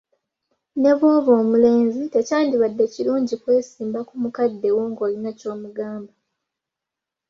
Ne bw'oba omulenzi, tekyandibadde kirungi kwesimba ku mukadde wo ng'olina ky'omugamba.